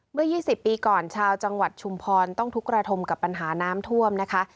เมื่อ๒๐ปีก่อนชาวจังหวัดชุมพรต้องทุกระทมกับปัญหาน้ำท่วมนะคะ